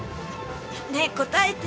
ねぇ答えて！